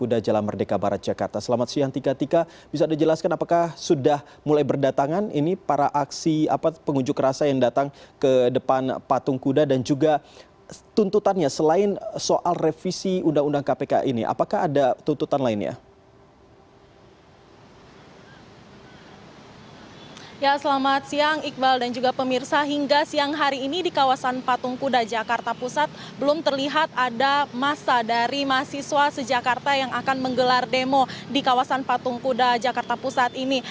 dan juga pemirsa hingga siang hari ini di kawasan patung kuda jakarta pusat belum terlihat ada masa dari mahasiswa sejakarta yang akan menggelar demo di kawasan patung kuda jakarta pusat ini